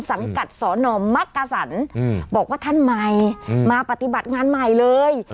สังกัดสอนอมมักกะสันบอกว่าท่านใหม่มาปฏิบัติงานใหม่เลย